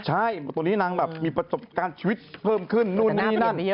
ใช่ตัวนี้นางแบบมีประสบการณ์ชีวิตเพิ่มขึ้นนู่นนี่นั่น